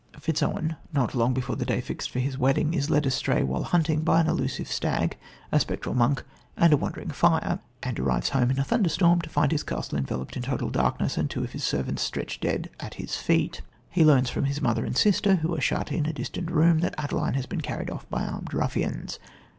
Fitzowen, not long before the day fixed for his wedding, is led astray, while hunting, by an elusive stag, a spectral monk and a "wandering fire," and arrives home in a thunderstorm to find his castle enveloped in total darkness and two of his servants stretched dead at his feet. He learns from his mother and sister, who are shut in a distant room, that Adeline has been carried off by armed ruffians.